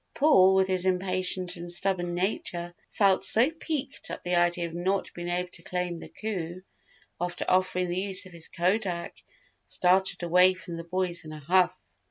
Paul, with his impatient and stubborn nature, felt so piqued at the idea of not being able to claim the coup after offering the use of his kodak, started away from the boys in a huff.